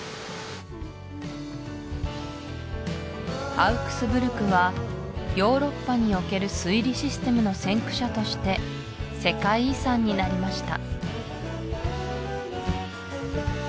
アウクスブルクはヨーロッパにおける水利システムの先駆者として世界遺産になりました